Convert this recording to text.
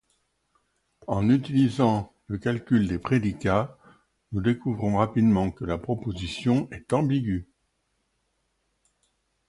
En utilisant le calcul des prédicats, nous découvrons rapidement que la proposition est ambiguë.